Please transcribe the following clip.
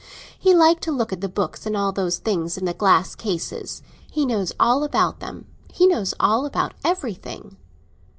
He liked to look at the books, and all those things in the glass cases. He knows all about them; he knows all about everything."